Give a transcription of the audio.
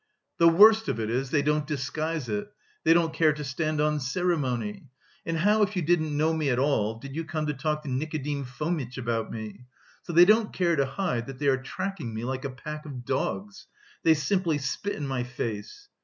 "The worst of it is they don't disguise it; they don't care to stand on ceremony! And how if you didn't know me at all, did you come to talk to Nikodim Fomitch about me? So they don't care to hide that they are tracking me like a pack of dogs. They simply spit in my face."